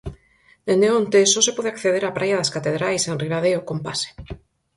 Dende onte só se pode acceder á praia das Catedrais, en Ribadeo, con pase.